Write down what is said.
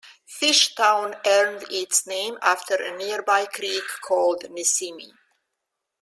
Fish Town earned its name after a nearby creek, called Neseme.